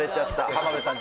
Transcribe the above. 浜辺さん